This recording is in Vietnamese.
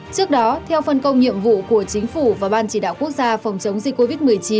trước đó theo phân công nhiệm vụ của chính phủ và ban chỉ đạo quốc gia phòng chống dịch covid một mươi chín